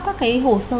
các cái hồ sơ